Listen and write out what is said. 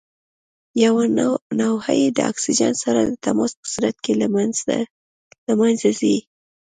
یوه نوعه یې د اکسیجن سره د تماس په صورت کې له منځه ځي.